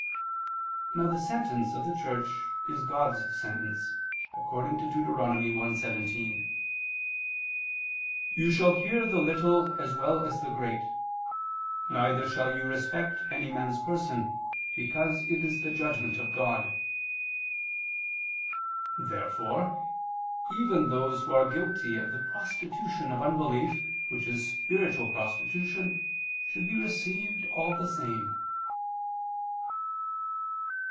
Now the sentence of the Church is God's sentence, according to Deut. 1:17: "You shall hear the little as well as the great: neither shall you respect any man's person, because it is the judgment of God." Therefore even those who are guilty of the prostitution of unbelief which is spiritual prostitution, should be received all the same.